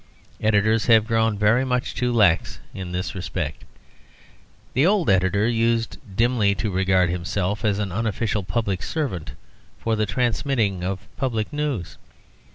Editors have grown very much too lax in this respect. The old editor used dimly to regard himself as an unofficial public servant for the transmitting of public news.